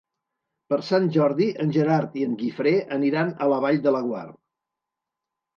Per Sant Jordi en Gerard i en Guifré aniran a la Vall de Laguar.